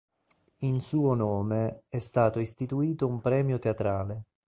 In suo nome è stato istituito un premio teatrale.